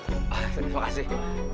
ah terima kasih